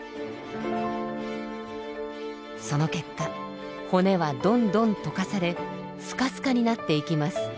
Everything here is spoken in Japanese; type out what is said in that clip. その結果骨はどんどん溶かされスカスカになっていきます。